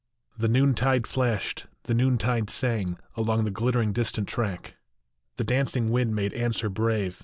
The noontide flashed, the noontide sang, Along the glittering distant track ; The dancing wind made answer brave.